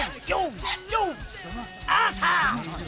朝！